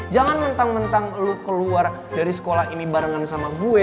jangan mentang mentang lo keluar dari sekolah ini barengan sama gue